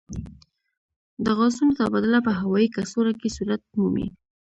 د غازونو تبادله په هوايي کڅوړو کې صورت مومي.